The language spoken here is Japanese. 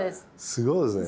すごいですね。